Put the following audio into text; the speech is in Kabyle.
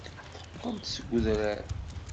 Teqqel-d seg udrar.